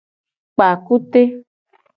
Kpa kute.